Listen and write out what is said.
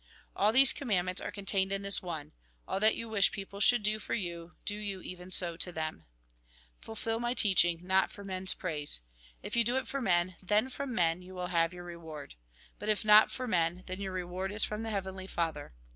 All these commandments are contained in this one : All that you wish people should do for you, do you even so to them. Fulfil my teaching, not for men's praise. If you do it for men, then from men you have your reward. But if not for men, then your reward is from the Heavenly Father.